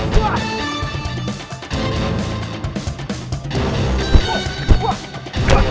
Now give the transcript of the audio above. duh duh duh duh